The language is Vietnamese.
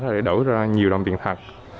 để đổi ra nhiều đồng tiền thật